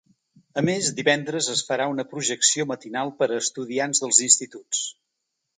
A més, divendres es farà una projecció matinal per a estudiants dels instituts.